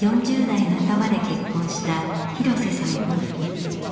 ４０代半ばで結婚した廣瀬さん夫婦。